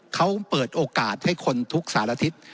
เขาเปิดโอกาสให้คนทุกสารทิศ